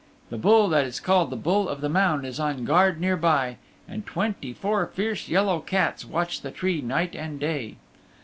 The Bull that is called the Bull of the Mound is on guard near by, and twenty four fierce yellow cats watch the tree night and day.